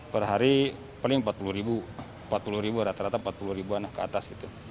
per hari paling empat puluh ribu empat puluh ribu rata rata empat puluh ribuan ke atas gitu